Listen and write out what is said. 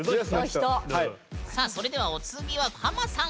さあそれではお次はハマさん。